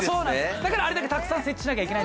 だからあれだけたくさん設置しなきゃいけない。